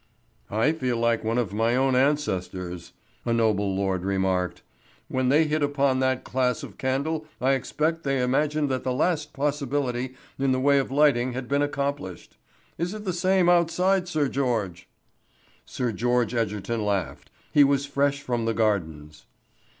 "I feel like one of my own ancestors," a noble lord remarked. "When they hit upon that class of candle I expect they imagined that the last possibility in the way of lighting had been accomplished. Is it the same outside, Sir George?" Sir George Egerton laughed. He was fresh from the gardens.